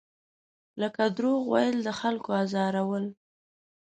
لکه دروغ ویل، د خلکو ازارول.